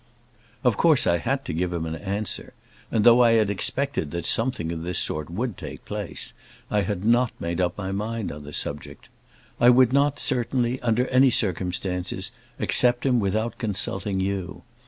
Of course, I had to give him an answer; and though I had expected that something of this sort would take place, I had not made up my mind on the subject. I would not, certainly, under any circumstances, accept him without consulting you.